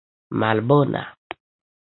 malbona